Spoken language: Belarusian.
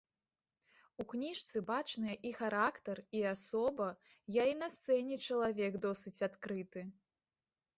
У кніжцы бачныя і характар, і асоба, я і на сцэне чалавек досыць адкрыты.